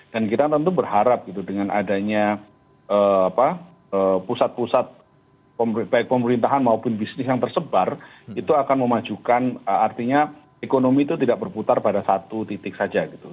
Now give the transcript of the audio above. dan kita tentu berharap gitu dengan adanya pusat pusat baik pemerintahan maupun bisnis yang tersebar itu akan memajukan artinya ekonomi itu tidak berputar pada satu titik saja gitu